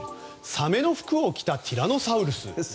サメの服を着たティラノサウルス。